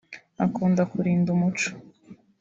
Akunda kurinda umuco